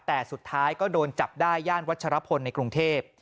แต่สุดท้ายก็โดนจับได้ย่านวัชรพลในกรุงเทพ